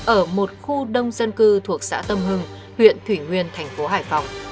ở một khu đông dân cư thuộc xã tâm hưng huyện thủy nguyên thành phố hải phòng